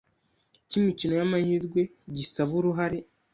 cy imikino y amahirwe gisaba uruhare